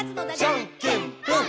「じゃんけんぽん！！」